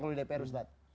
kalau di dpr ustaz